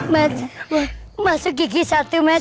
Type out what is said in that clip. mat masuk gigi satu mat